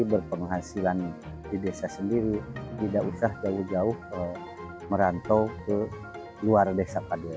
berpenghasilan di desa sendiri tidak usah jauh jauh merantau ke luar desa pada